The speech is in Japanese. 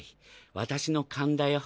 私の勘だよ。